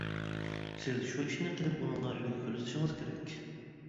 سىز شۇ ئىشنى قىلىپ ئۇنىڭغا ئۈلگە كۆرسىتىشىڭىز كېرەك.